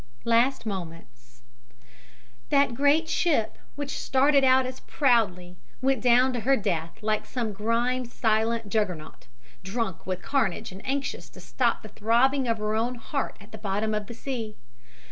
LAST MOMENTS That great ship, which started out as proudly, went down to her death like some grime silent juggernaut, drunk with carnage and anxious to stop the throbbing of her own heart at the bottom of the sea.